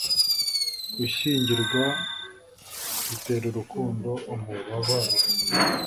gushyingirwa zitera urukundo umubabaro